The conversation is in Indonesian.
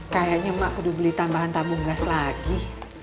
kayaknya emak perlu beli tambahan tabung gas lagi